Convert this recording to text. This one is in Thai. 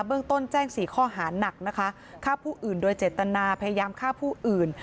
เรื่องต้นแจ้ง๔ข้อหานักนะคะฆ่าผู้อื่นโดยเจตนาพยายามฆ่าผู้อื่น